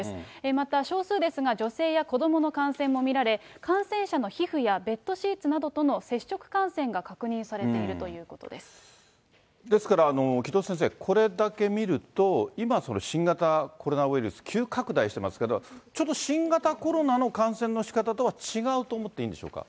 また少数ですが、女性や子どもの感染も見られ、感染者の皮膚やベッドシーツなどとの接触感染が確認されているとですから、城戸先生、これだけ見ると今、その新型コロナウイルス急拡大してますけど、ちょっと新型コロナの感染のしかたとは違うと思っていいんでしょうか。